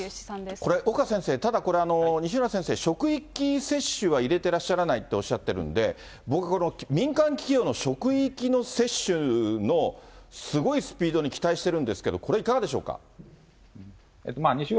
これ、岡先生、ただこれ、西浦先生、職域接種は入れてらっしゃらないとおっしゃってるんで、僕この、民間企業の職域の接種のすごいスピードに期待してるんですけれど西浦